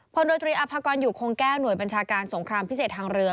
โดยตรีอภากรอยู่คงแก้วหน่วยบัญชาการสงครามพิเศษทางเรือ